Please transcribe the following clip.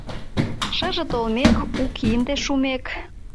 Шыже толмек, у кинде шумек